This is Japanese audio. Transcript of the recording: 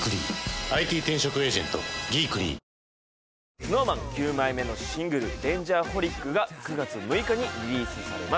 ＳｎｏｗＭａｎ９枚目のシングル『Ｄａｎｇｅｒｈｏｌｉｃ』が９月６日にリリースされます。